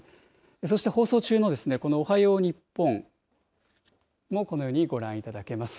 そして放送中の、このおはよう日本もこのようにご覧いただけます。